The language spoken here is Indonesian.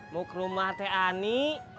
mau ke rumah teh ani